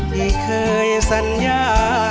ที่เคยสัญญา